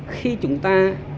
khi chúng ta